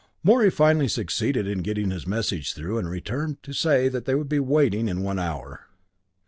Morey finally succeeded in getting his message through, and returned to say that they would be waiting in one hour.